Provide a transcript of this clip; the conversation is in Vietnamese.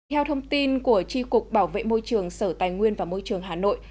theo thông tin của tri cục bảo vệ môi trường sở tài nguyên và môi trường hà nội